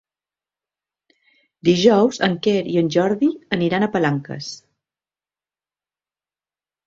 Dijous en Quer i en Jordi aniran a Palanques.